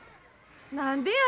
何でや。